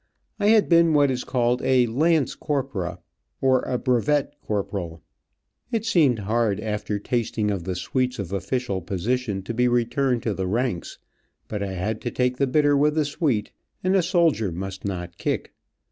I had been what is called a "lance corpora," or a brevet corporal. It seemed hard, after tasting of the sweets of official position, to be returned to the ranks, but I had to take the bitter with the sweet, and a soldier must not kick.